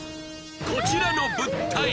こちらの物体